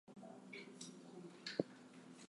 He was imprisoned for this strike but was later pardoned.